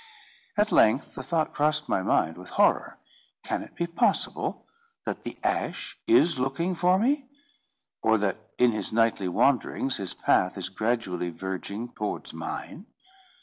At length the thought crossed my mind with horror: "Can it be possible that the Ash is looking for me? or that, in his nightly wanderings, his path is gradually verging towards mine?"